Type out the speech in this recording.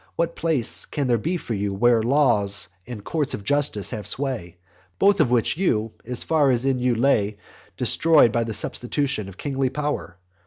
What place can there be for you where laws and courts of justice have sway, both of which you, as far as in you lay, destroyed by the substitution of kingly power?